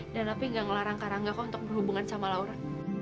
dan opi gak ngelarang karangga kok untuk berhubungan sama laura